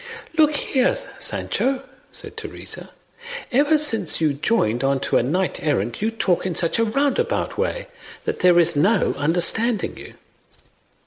"Look here, Sancho," said Teresa; "ever since you joined on to a knight errant you talk in such a roundabout way that there is no understanding you."